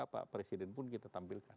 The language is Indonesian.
pak presiden pun kita tampilkan